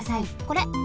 これ。